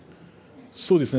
そうですね